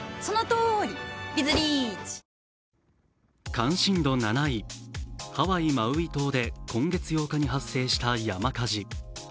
関心度７位、ハワイ・マウイ島で今月８日に発生した山火事。